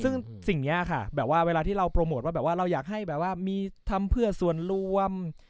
ซึ่งสิ่งนี้ค่ะแบบว่าเวลาที่เราโปรโมทว่าแบบว่าเราอยากให้แบบว่ามีทำเพื่อส่วนรวม